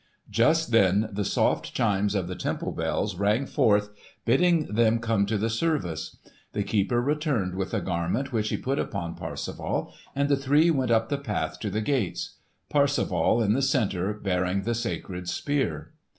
Just then the soft chimes of the temple bells rang forth bidding them come to the service. The keeper returned with the garment which he put upon Parsifal and the three went up the path to the gates, Parsifal in the centre, bearing the sacred Spear.